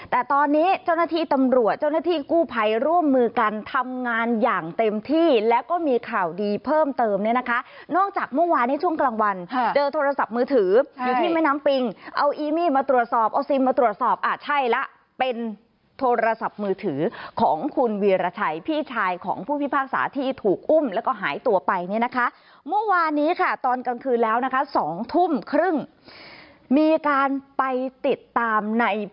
แต่ตอนนี้เจ้าหน้าที่ตำรวจเจ้าหน้าที่กู้ภัยร่วมมือกันทำงานอย่างเต็มที่แล้วก็มีข่าวดีเพิ่มเติมเนี่ยนะคะนอกจากเมื่อวานในช่วงกลางวันเจอโทรศัพท์มือถืออยู่ที่แม่น้ำปิงเอาอีมี่มาตรวจสอบเอาซิมมาตรวจสอบอ่ะใช่ละเป็นโทรศัพท์มือถือของคุณวีรชัยพี่ชายของผู้พิพากษาที่ถูกอุ้ม